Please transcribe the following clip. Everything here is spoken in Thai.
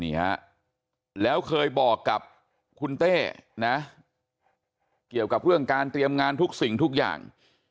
แล้วเคยบอกกับคุณเต้นะเกี่ยวกับเรื่องการเตรียมงานทุกสิ่งทุกอย่าง